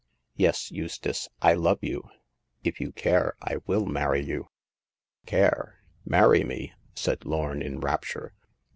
Yes, Eustace, I love you. If you care I will marry you "Care ! Marry me !" said Lorn, in rapture.